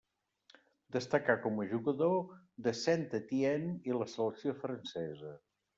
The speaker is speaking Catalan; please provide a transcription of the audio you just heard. Destacà com a jugador de Saint-Étienne i la selecció francesa.